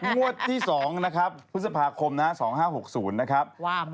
งวดที่สองนะพฤษภาคม๒๕๖๐นะครับ